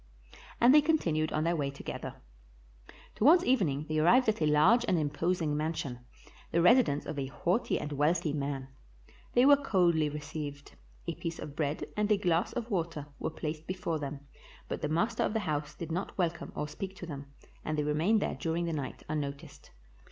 And they continued on their way together. Towards evening they arrived at a large and imposing mansion, the residence of a haughty and wealthy man. They were coldly received ; a piece of bread and a glass of water were placed before them, but the master of the house did not welcome or speak to them, and they re mained there during the night unnoticed.